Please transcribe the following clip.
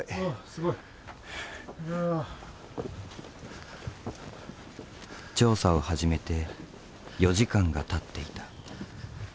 すごい。調査を始めて４時間がたっていた。